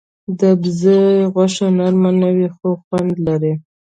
د بزه غوښه نرم نه وي، خو خوند لري.